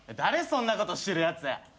そんなことしてるやつ。